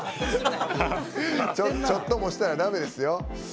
ちょっともしたらだめですよ。